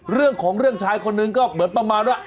เรื่องของเรื่องชายคนนึงก็เหมือนประมาณว่า